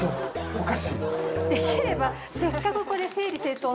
おかしい？